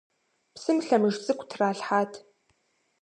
Псым лъэмыж цӏыкӏу тралъхьат.